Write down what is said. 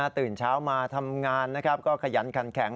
ตื่นเช้ามาทำงานก็ขยันขันแข็ง